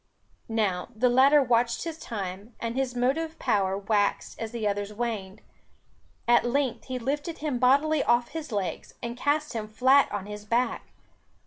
Now, the latter watched his time, and his motive power waxed as the other's waned. At length he lifted him bodily off his legs, and cast him flat on his back.